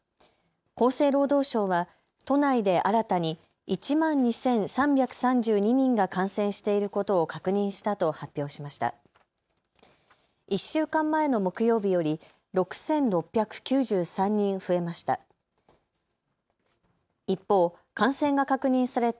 厚生労働省は都内で新たに１万２３３２人が感染していることを確認したと発表しました。